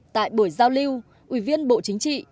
tại buổi giao lưu ủy viên bộ chính trị